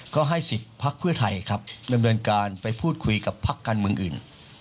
ก็ให้สิทธิ์พักเพื่อไทยครับดำเนินการไปพูดคุยกับพักการเมืองอื่น